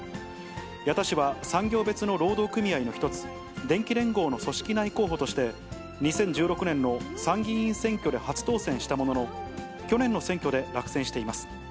矢田氏は、産業別の労働組合の一つ、電機連合の組織内候補として、２０１６年の参議院選挙で初当選したものの、去年の選挙で落選しています。